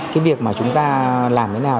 cái việc mà chúng ta làm thế nào